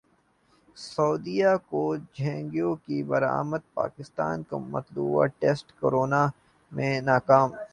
سعودیہ کو جھینگوں کی برامد پاکستان مطلوبہ ٹیسٹ کروانے میں ناکام